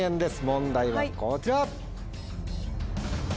問題はこちら！